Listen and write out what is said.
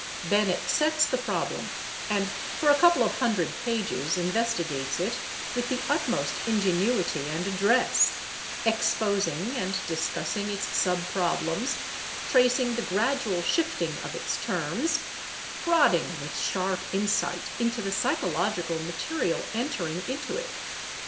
Bennett sets the problem, and for a couple of hundred pages investigates it with the utmost ingenuity and address, exposing and discussing its sub problems, tracing the gradual shifting of its terms, prodding with sharp insight into the psychological material entering into it.